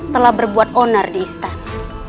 telah berbuat onar di istana